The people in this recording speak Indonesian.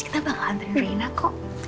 kita bakal antarin reina kok